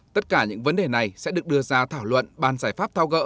tất cả những vấn đề này sẽ được đưa ra thảo luận bàn giải pháp thao gỡ